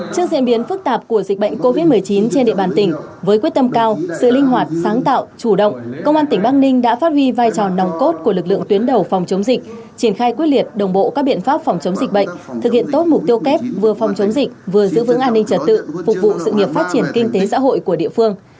trước diễn biến phức tạp của dịch bệnh covid một mươi chín trên địa bàn tỉnh với quyết tâm cao sự linh hoạt sáng tạo chủ động công an tỉnh bắc ninh đã phát huy vai trò nòng cốt của lực lượng tuyến đầu phòng chống dịch triển khai quyết liệt đồng bộ các biện pháp phòng chống dịch bệnh thực hiện tốt mục tiêu kép vừa phòng chống dịch vừa giữ vững an ninh trật tự phục vụ sự nghiệp phát triển kinh tế xã hội của địa phương